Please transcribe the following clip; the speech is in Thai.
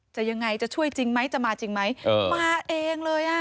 จะยังไงจะช่วยจริงไหมจะมาจริงไหมเออมาเองเลยอ่ะ